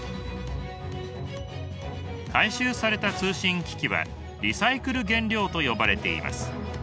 回収された通信機器はリサイクル原料と呼ばれています。